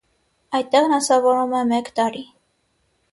Այդտեղ նա սովորում է մեկ տարի։